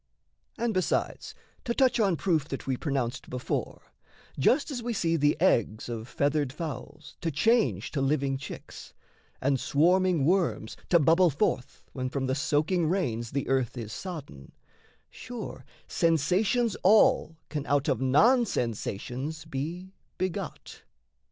And besides, To touch on proof that we pronounced before, Just as we see the eggs of feathered fowls To change to living chicks, and swarming worms To bubble forth when from the soaking rains The earth is sodden, sure, sensations all Can out of non sensations be begot.